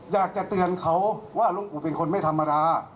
อยากจะเตือนเขาว่าหลวงปู่เป็นคนไม่ธรรมดา